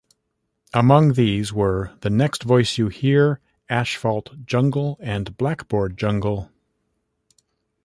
Among these were "The Next Voice You Hear", "Asphalt Jungle", and "Blackboard Jungle".